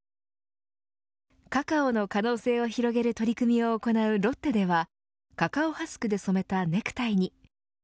カカオの可能性を広げる取り組みを行うロッテではカカオハスクで染めたネクタイに。